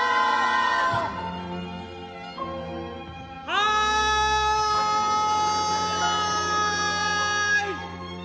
「はい！」。